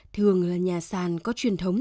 thường là nhà sàn có truyền thống